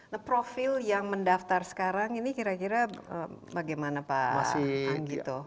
nah profil yang mendaftar sekarang ini kira kira bagaimana pak anggito